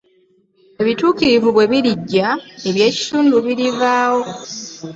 Ebituukirivu bwe birijja, eby'ekitundu birivaawo.